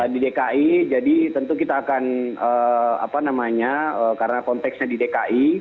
di dki jadi tentu kita akan apa namanya karena konteksnya di dki